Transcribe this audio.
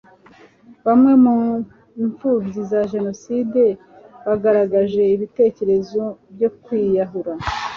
bamwe mu imfubyi za jenoside bagaragaje ibitekerezo byo kwiyahura